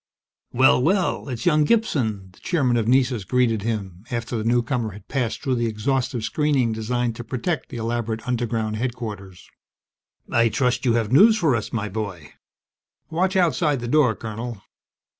"Well, well, it's young Gibson!" the Chairman of Nessus greeted him, after the newcomer had passed through the exhaustive screening designed to protect the elaborate underground headquarters. "I trust you have news for us, my boy. Watch outside the door, Colonel!"